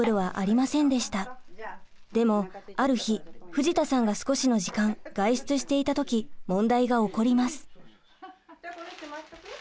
でもある日藤田さんが少しの時間外出していた時問題が起こります。